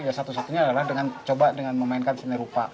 ya satu satunya adalah dengan coba dengan memainkan seni rupa